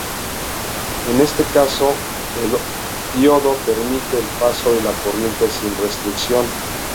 En este caso, el diodo permite el paso de la corriente sin restricción.